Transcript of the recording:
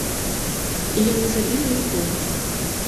Я не забіла нікога.